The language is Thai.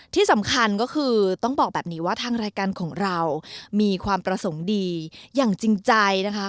ที่สำคัญก็คือต้องบอกแบบนี้ว่าทางรายการของเรามีความประสงค์ดีอย่างจริงใจนะคะ